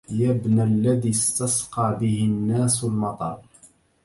يا ابن الذي استسقى به الناس المطر